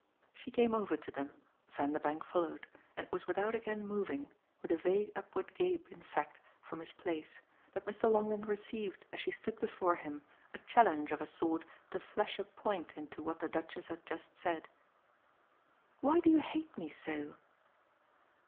She came over to them, Vanderbank followed, and it was without again moving, with a vague upward gape in fact from his place, that Mr. Longdon received as she stood before him a challenge of a sort to flash a point into what the Duchess had just said. "Why do you hate me so?"